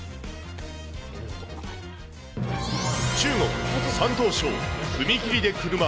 中国・山東省、踏切で車。